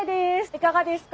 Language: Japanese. いかがですか。